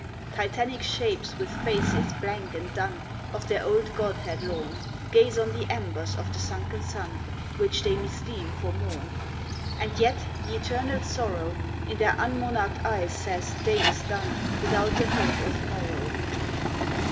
Titanic shapes with faces blank and dun, Of their old godhead lorn, Gaze on the embers of the sunken sun, Which they misdeem for morn; And yet the eternal sorrow In their unmonarched eyes says day is done Without the hope of morrow.